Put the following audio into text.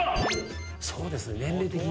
そうですよね年齢的に。